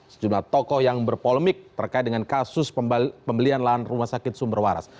sejumlah tokoh yang berpolemik terkait dengan kasus pembelian lahan rumah sakit sumber waras